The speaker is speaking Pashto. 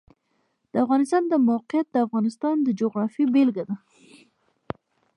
د افغانستان د موقعیت د افغانستان د جغرافیې بېلګه ده.